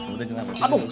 udah kenapa ceng